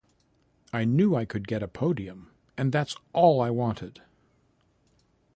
I knew I could get a podium, and that's all I wanted.